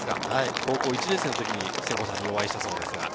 高校１年生の時に瀬古さんにお会いしたそうです。